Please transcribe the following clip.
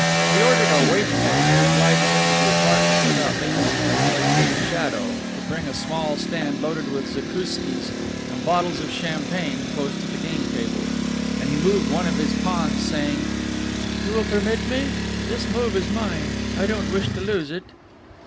He ordered a waiting maid who glided into the apartment without making more noise than a shadow to bring a small stand loaded with zakouskis and bottles of champagne close to the game table, and he moved one of his pawns, saying, "You will permit me? This move is mine. I don't wish to lose it."